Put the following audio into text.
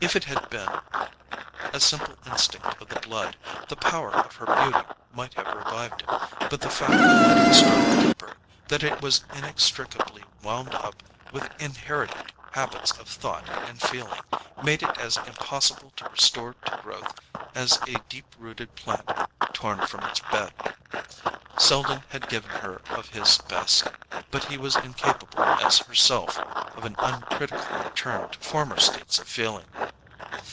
If it had been a simple instinct of the blood, the power of her beauty might have revived it. But the fact that it struck deeper, that it was inextricably wound up with inherited habits of thought and feeling, made it as impossible to restore to growth as a deep rooted plant torn from its bed. Selden had given her of his best; but he was as incapable as herself of an uncritical return to former states of feeling.